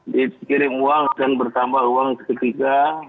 dikirim uang akan bertambah uang ketika